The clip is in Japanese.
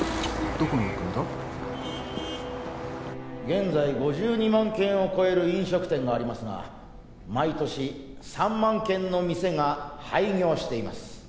現在５２万軒を超える飲食店がありますが毎年３万軒の店が廃業しています。